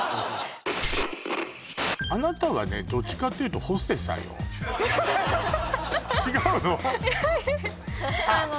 あなたはねどっちかっていうとホステスさんよ違うの？